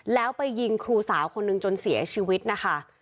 แล้วไปยิงครูสาวคนหนึ่งจนเสียชีวิตนะคะ